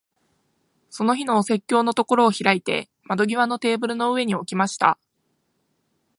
その日のお説教のところを開いて、窓際のテーブルの上に置きました。